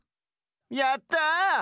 やった！